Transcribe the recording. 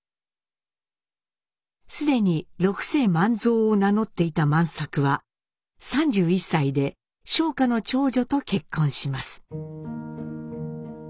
既に六世万蔵を名乗っていた万作は３１歳で商家の長女と結婚します。